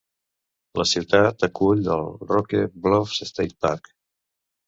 La ciutat acull el Roque Bluffs State Park.